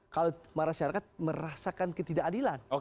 kalau masyarakat merasakan ketidakadilan